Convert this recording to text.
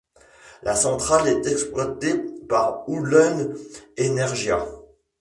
La centrale est exploitée par Oulun Energia.